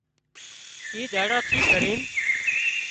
اِي ۮاڙا ٿِي ڪرينَ